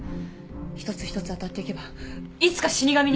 一つ一つ当たっていけばいつか死神に。